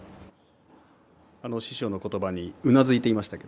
師匠の言葉にうなずいていましたね。